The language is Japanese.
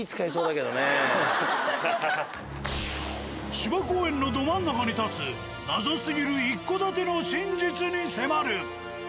芝公園のど真ん中に建つ謎すぎる一戸建ての真実に迫る！